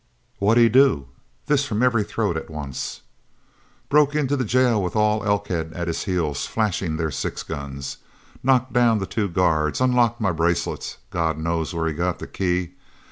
"What did he do?" This from every throat at once. "Broke into the jail with all Elkhead at his heels flashing their six guns knocked down the two guards unlocked my bracelets (God knows where he got the key!)